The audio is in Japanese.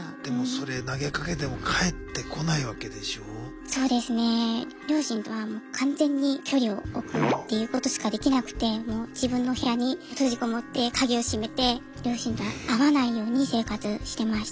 そうですね両親とは完全に距離を置くっていうことしかできなくてもう自分の部屋に閉じこもって鍵を閉めて両親とは会わないように生活してました。